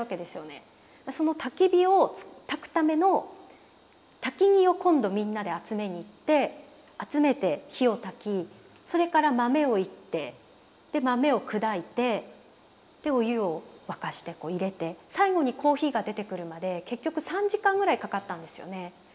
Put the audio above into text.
そのたき火をたくための薪を今度みんなで集めに行って集めて火をたきそれから豆を煎ってで豆を砕いてお湯を沸かして入れて最後にコーヒーが出てくるまで結局３時間ぐらいかかったんですよね。